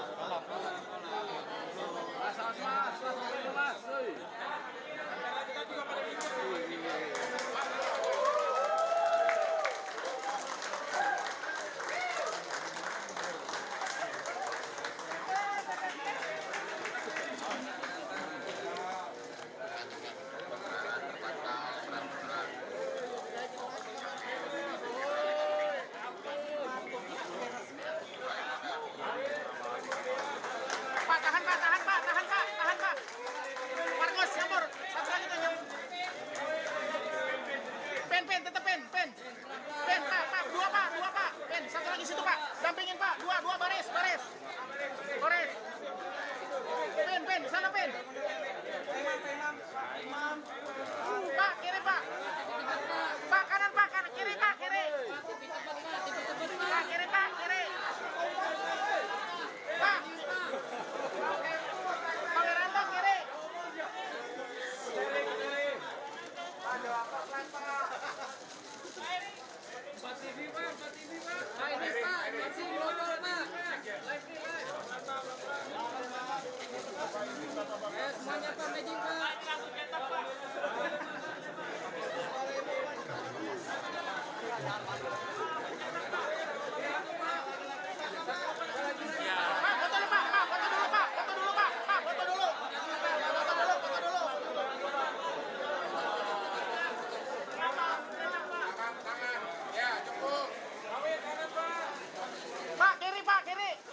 pak tahan tahan pak tahan tahan pak